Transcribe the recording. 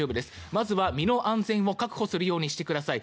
まずは身の安全を確保するようにしてください。